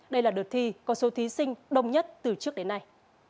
đây là đợt thi có số thí sinh đông nhất từ trước đến nay